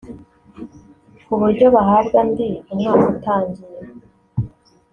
ku buryo bahabwa andi umwaka utangiye